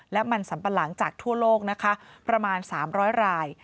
และมันสัมปะหลังจากทั่วโลกนะคะประมาณ๓๐๐ราย